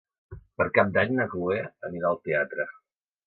Per Cap d'Any na Chloé anirà al teatre.